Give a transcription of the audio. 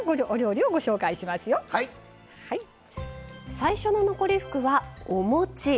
最初の残り福はおもち。